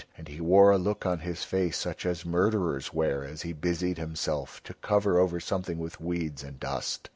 And he wore a look on his face such as murderers wear as he busied himself to cover over something with weeds and dust.